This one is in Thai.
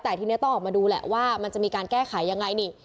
แต่ทีนี้ต้องออกมาดูแหละว่ามันจะมีการแก้ไขยังไงนี่